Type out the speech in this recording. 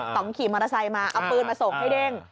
ต้องขี่มอเตอร์ไซค์มาเอาปืนมาส่งให้เด้ง